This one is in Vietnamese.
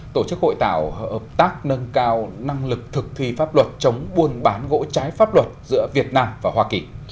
tổ chức hội thảo hợp tác nâng cao năng lực thực thi pháp luật chống buôn bán gỗ trái pháp luật giữa việt nam và hoa kỳ